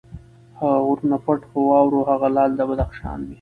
هغه غرونه پټ په واورو، هغه لعل د بدخشان مي